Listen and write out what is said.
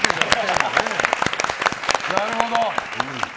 なるほど。